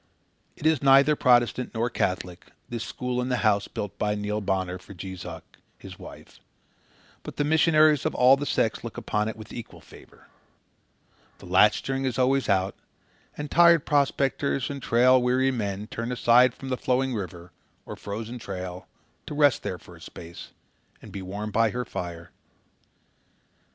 It is neither Protestant nor Catholic, this school in the house built by Neil Bonner for Jees Uck, his wife; but the missionaries of all the sects look upon it with equal favour. The latchstring is always out, and tired prospectors and trail weary men turn aside from the flowing river or frozen trail to rest there for a space and be warm by her fire.